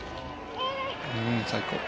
最高。